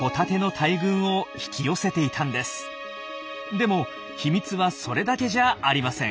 でも秘密はそれだけじゃありません。